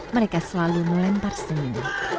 mereka selalu melempar senyum